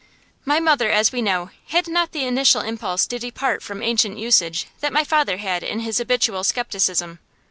My mother, as we know, had not the initial impulse to depart from ancient usage that my father had in his habitual scepticism.